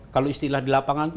kalau istilah di lapangan itu